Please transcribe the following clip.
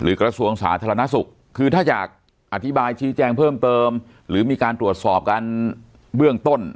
กระทรวงสาธารณสุขคือถ้าอยากอธิบายชี้แจงเพิ่มเติมหรือมีการตรวจสอบกันเบื้องต้น